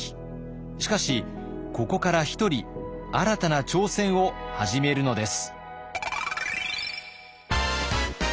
しかしここから一人新たな挑戦を始めるのです。